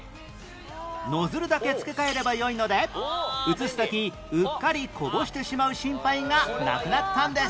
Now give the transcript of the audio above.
ノズルだけ付け替えればよいので移す時うっかりこぼしてしまう心配がなくなったんです